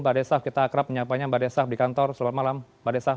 bade saf kita akrab penyampannya bade saf di kantor selamat malam bade saf